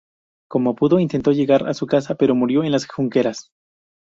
Como pudo intentó llegar a su casa pero murió en las junqueras.